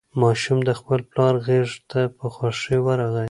ماشوم د خپل پلار غېږې ته په خوښۍ ورغی.